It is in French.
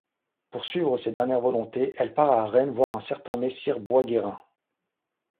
Pour suivre ses dernières volontés, elle part à Rennes voir un certain messire Boisguérin.